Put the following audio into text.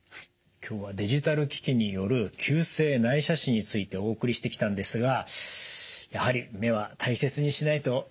今日はデジタル機器による急性内斜視についてお送りしてきたんですがやはり目は大切にしないといけませんね。